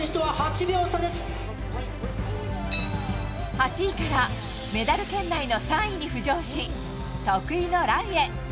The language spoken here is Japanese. ８位からメダル圏内の３位に浮上し得意のランへ。